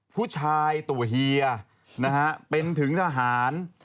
ผู้ชายตัวเฮียนะฮะเป็นถึงทหาร